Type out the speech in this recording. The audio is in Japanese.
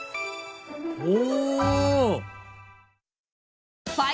お！